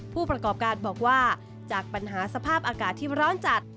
ผู้ประกอบการบอกว่าจากปัญหาสภาพอากาศที่ร้อนจัด